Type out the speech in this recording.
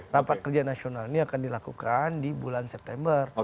rapat kerja nasional ini akan dilakukan di bulan september